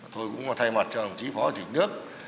tôi cũng thay mặt cho đồng chí phó chủ tịch nước